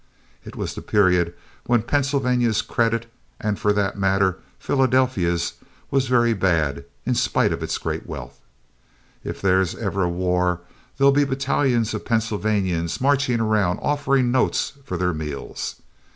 It was the period when Pennsylvania's credit, and for that matter Philadelphia's, was very bad in spite of its great wealth. "If there's ever a war there'll be battalions of Pennsylvanians marching around offering notes for their meals.